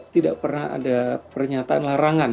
tidak pernah ada pernyataan larangan